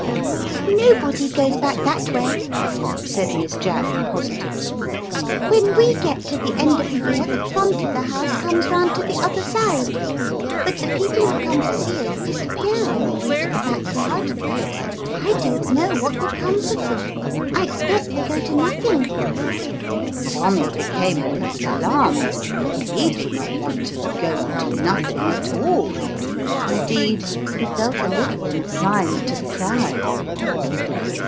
" Nobody goes back that way," said Miss Jack positively ;" when we get to the end of the year the front of the house comes round to the other side, but the people who come to see us disappear when they reach the backyard, /don't know what becomes of them; I expect they go to nothing." Tommy became a little alarmed ; he did not want to "go to nothing" at all indeed he felt a little inclined to cry.